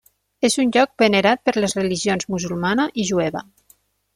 És un lloc venerat per les religions musulmana i jueva.